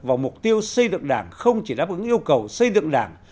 vào mục tiêu xây dựng đảng không chỉ đáp ứng yêu cầu xây dựng đảng